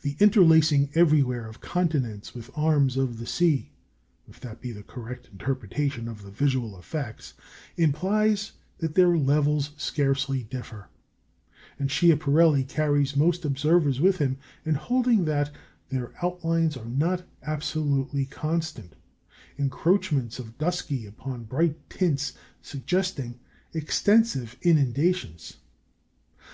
The interlacing everywhere of continents with arms of the sea (if that be the correct interpretation of the visual effects) implies that their levels scarcely differ; and Schiaparelli carries most observers with him in holding that their outlines are not absolutely constant, encroachments of dusky upon bright tints suggesting extensive inundations.